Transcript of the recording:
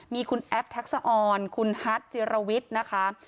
มีคุณแอปทักษะออนคุณฮัทจิรวิทย์นะคะ